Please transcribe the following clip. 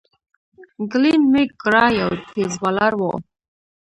گلين میک ګرا یو تېز بالر وو.